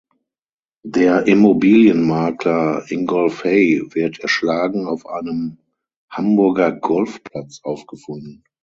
Der Immobilienmakler Ingolf Hey wird erschlagen auf einem Hamburger Golfplatz aufgefunden.